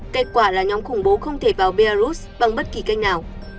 kết quả là nhóm khủng bố không thể vào belarus bằng bất kỳ kênh nào